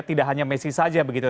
tidak hanya messi saja begitu